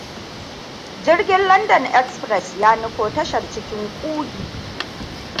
Jirgin London express ya nufo tashar cikin ƙugi.